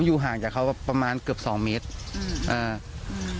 ผมอยู่ห่างจากเขาประมาณเกือบ๒เมตรอืมอืม